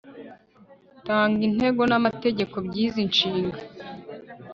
tanga intego n'amategeko by'izi nshinga